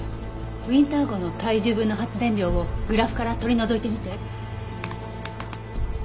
ウィンター号の体重分の発電量をグラフから取り除いてみて。